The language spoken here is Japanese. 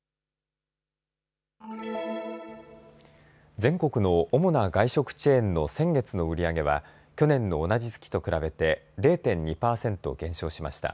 全国の主な外食チェーンの先月の売り上げは去年の同じ月と比べて０．２％減少しました。